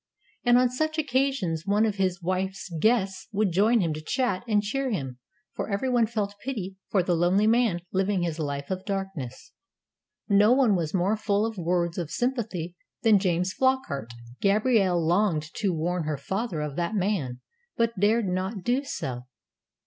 And on such occasions one of his wife's guests would join him to chat and cheer him, for everyone felt pity for the lonely man living his life of darkness. No one was more full of words of sympathy than James Flockart. Gabrielle longed to warn her father of that man, but dared not do so.